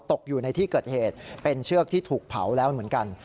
ตกอยู่ในที่เกิดเหตุเป็นเชือกที่ถูกเผาแล้วเหมือนกัน